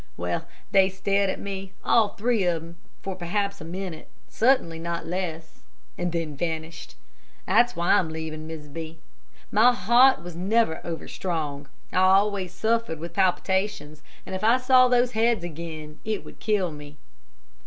Well, they stared at me, all three of them, for perhaps a minute, certainly not less, and then vanished. That's why I'm leaving, Mrs. B . My heart was never overstrong. I always suffered with palpitations, and if I saw those heads again, it would kill me."